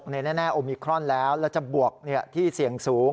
แน่โอมิครอนแล้วแล้วจะบวกที่เสี่ยงสูง